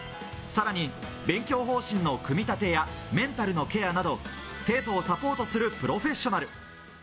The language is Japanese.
さらに勉強方針の組み立てや、メンタルのケアなど、生徒をサポートするプロフェッショナル。